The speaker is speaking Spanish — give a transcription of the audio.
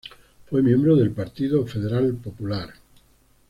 Fue miembro del Partido Federal Popular.